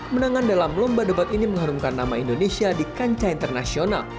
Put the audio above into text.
menangan dalam lomba debat ini mengharumkan nama indonesia di kancah internasional